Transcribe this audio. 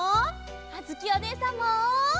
あづきおねえさんも！